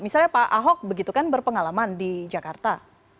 misalnya pak ahok begitu kan berpengalaman di jakarta